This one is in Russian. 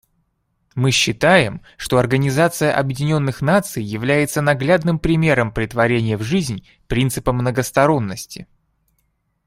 Мы считаем, что Организация Объединенных Наций является наглядным примером претворения в жизнь принципа многосторонности.